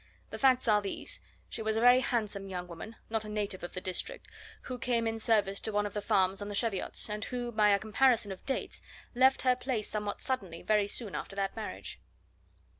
The facts are these: she was a very handsome young woman, not a native of the district, who came in service to one of the farms on the Cheviots, and who, by a comparison of dates, left her place somewhat suddenly very soon after that marriage."